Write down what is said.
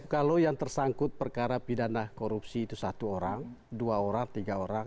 kalau yang tersangkut perkara pidana korupsi itu satu orang dua orang tiga orang